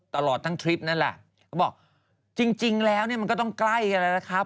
ตลอดทั้งทริปนั้นแหละก็บอกจริงแล้วมันก็ต้องใกล้หรอละครับ